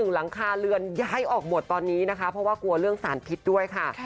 หลังคาเรือนย้ายออกหมดตอนนี้นะคะเพราะว่ากลัวเรื่องสารพิษด้วยค่ะ